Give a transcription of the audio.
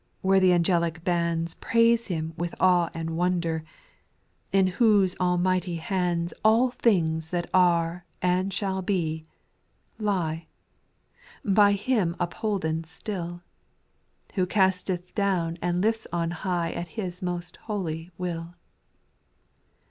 Where all the angelic bands Praise Him with awe and Nvotvdct^ In whose Almighty \iai\da SPIRITUAL SONGS. 387 All things that are and shall be, lie, By Him upholden still, Who casteth down and lifts on high At His most holy will.